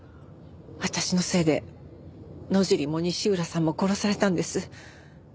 私のせいで野尻も西浦さんも殺されたんです。